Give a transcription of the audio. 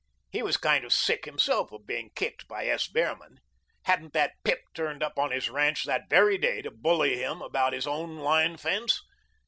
He was kind of sick himself of being kicked by S. Behrman. Hadn't that pip turned up on his ranch that very day to bully him about his own line fence?